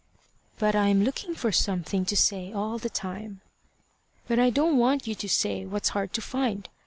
"But I'm looking for something to say all the time." "But I don't want you to say what's hard to find.